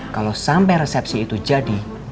kalo sampe resepsi itu jadi